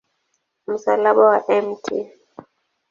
Msalaba wa Mt.